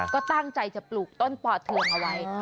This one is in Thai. ก็ตั้งใจจะปลูกต้นป่อเทืองเอาไว้